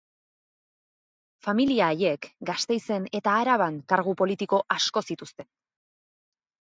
Familia haiek Gasteizen eta Araban kargu politiko asko zituzten.